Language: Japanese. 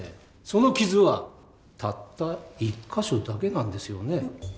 その傷はたった一か所だけなんですよね。